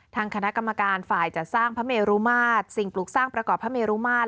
ทางคณะกรรมการฝ่ายจัดสร้างพระเมรุมาตรสิ่งปลูกสร้างประกอบพระเมรุมาตร